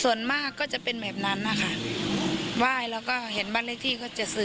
ส่วนมากก็จะเป็นแบบนั้นนะคะไหว้แล้วก็เห็นบ้านเลขที่ก็จะซื้อ